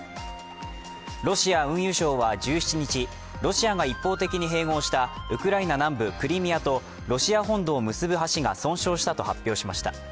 ロシア運輸省は１７日、ロシアが一方的に併合したウクライナ南部クリミアとロシア本土を結ぶ橋が損傷したと発表しました。